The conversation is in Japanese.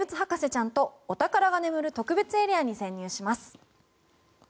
ちゃんとお宝が眠る特別エリアに潜入します。